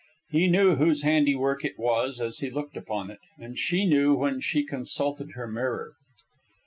He knew whose handiwork it was as he looked upon it, and she knew when she consulted her mirror.